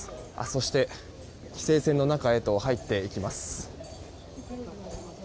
そして、規制線の中へと入っていきます。